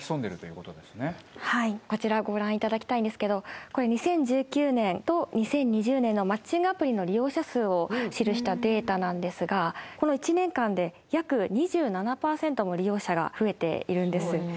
はいこちらご覧いただきたいんですけどこれ２０１９年と２０２０年のマッチングアプリの利用者数を記したデータなんですがこの一年間で約２７％も利用者が増えているんです。